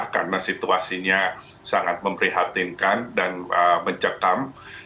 karena situasinya sangat memprihatinkan dan mencekam